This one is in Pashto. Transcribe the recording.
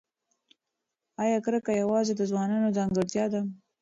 ایا کرکه یوازې د ځوانانو ځانګړتیا ده؟